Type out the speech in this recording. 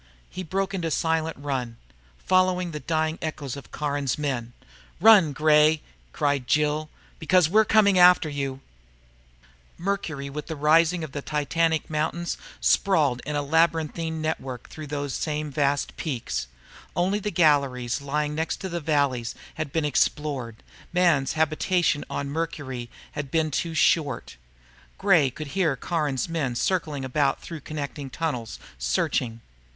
He broke into a silent run, following the dying echoes of Caron's men. "Run, Gray!" cried Jill. "Because we're coming after you!" The tunnels, ancient blowholes for the volcanic gases that had tortured Mercury with the raising of the titanic mountains, sprawled in a labyrinthine network through those same vast peaks. Only the galleries lying next the valleys had been explored. Man's habitation on Mercury had been too short. Gray could hear Caron's men circling about through connecting tunnels, searching.